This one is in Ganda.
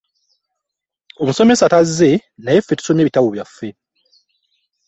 Omusomesa tazze naye ffe tusomye ebitabo byaffe.